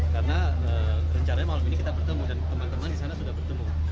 karena rencaranya malam ini kita bertemu dan teman teman di sana sudah bertemu